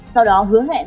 sau đó hứa hẹn